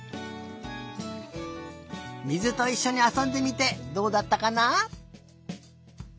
水といっしょにあそんでみてどうだったかな？